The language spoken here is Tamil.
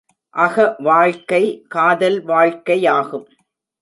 அக வாழ்க்கை காதல் வாழ்க்கையாகும்.